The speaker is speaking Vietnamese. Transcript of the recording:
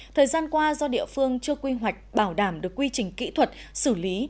thời gian qua do địa phương chưa quy hoạch bảo đảm được quy trình kỹ thuật xử lý